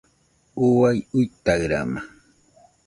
Uai uitaɨrama